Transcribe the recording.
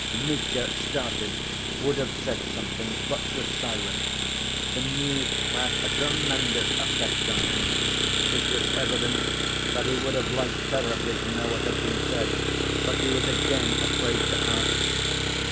Mitya started, would have said something, but was silent. The news had a tremendous effect on him. It was evident that he would have liked terribly to know what had been said, but he was again afraid to ask.